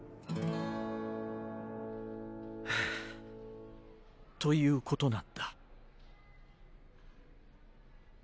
ハァという事なんだ。